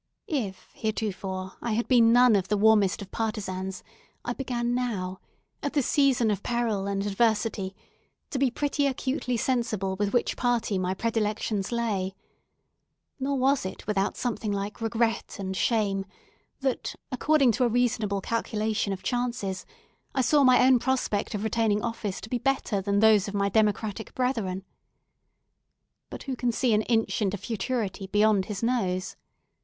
If, heretofore, I had been none of the warmest of partisans I began now, at this season of peril and adversity, to be pretty acutely sensible with which party my predilections lay; nor was it without something like regret and shame that, according to a reasonable calculation of chances, I saw my own prospect of retaining office to be better than those of my democratic brethren. But who can see an inch into futurity beyond his nose?